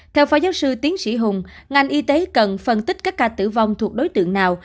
theo phó giáo sư tiến sĩ hùng ngành y tế cần phân tích các ca tử vong thuộc đối tượng nào